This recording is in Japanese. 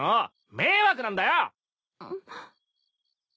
迷惑なんだよ！